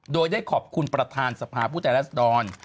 โดยได้ขอบคุณประธานสภาพุทธแอลันท์ศ์ดร